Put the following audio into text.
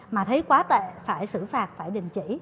mà thấy quá tệ phải xử phạt phải đình chỉ